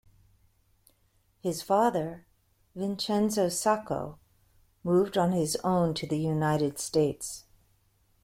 His father, Vincenzo Sacco, moved on his own to the United States.